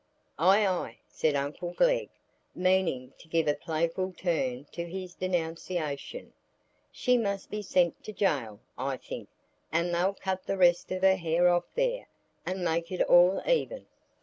"Ay, ay," said uncle Glegg, meaning to give a playful turn to this denunciation, "she must be sent to jail, I think, and they'll cut the rest of her hair off there, and make it all even."